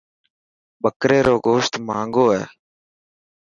ٻڪري رو گوشت ماهنگو هي.